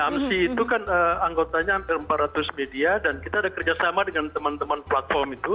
amsi itu kan anggotanya hampir empat ratus media dan kita ada kerjasama dengan teman teman platform itu